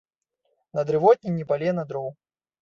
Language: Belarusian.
На дрывотні ні палена дроў.